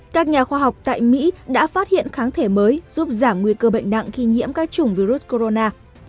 các nhà khoa học tại mỹ đã phát hiện kháng thể mới giúp giảm nguy cơ bệnh nặng khi nhiễm các chủng virus corona